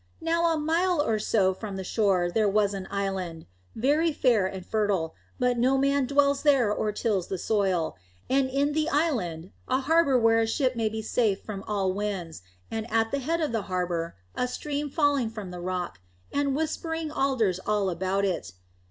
Now, a mile or so from the shore there was an island, very fair and fertile, but no man dwells there or tills the soil, and in the island a harbour where a ship may be safe from all winds, and at the head of the harbour a stream falling from the rock, and whispering alders all about it.